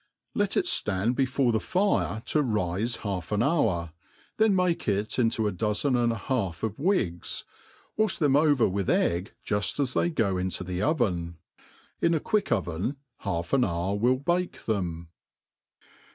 Let it ftand befoic the fire to rife half an hour, then make it into a dozen and a half of wigs, wafli them over with egg juft as they go into the oven. In a quick oven half an hour will bake them.